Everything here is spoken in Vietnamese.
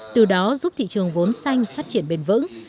từ đó giúp thị trường vốn xanh phát triển bền vững